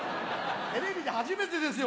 テレビで初めてですよ